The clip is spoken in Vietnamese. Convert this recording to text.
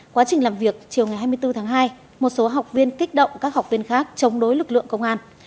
quá trình làm việc chiều ngày hai mươi bốn tháng hai một số học viên kích động các học viên khác chống đối lực lượng công an